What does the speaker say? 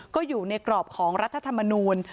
ก็อยู่ในกรอบของรัฐธรรมนูล